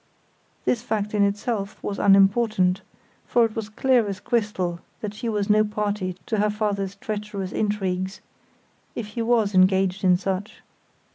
This fact in itself was unimportant, for it was clear as crystal that she was no party to her father's treacherous intrigues, if he was engaged in such.